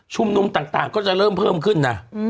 นุมต่างก็จะเริ่มเพิ่มขึ้นนะ